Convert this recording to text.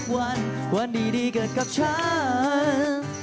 วันนี้ได้เกิดกับฉัน